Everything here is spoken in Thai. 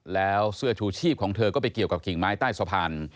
แล้วเสื้อชูชีพของเธอก็ไปเกี่ยวกับกิ่งไม้ใต้สะพาน